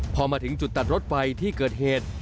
พอมาถึงจุดตัดรถไฟที่เกิดเหตุ